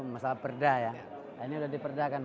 masalah perda ya ini udah diperdakan